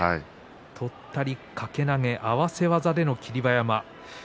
とったりと掛け投げで合わせ技での霧馬山。